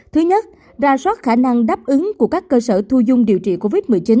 thứ nhất ra soát khả năng đáp ứng của các cơ sở thu dung điều trị covid một mươi chín